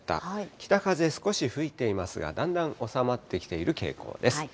北風、少し吹いていますが、だんだん収まってきている傾向です。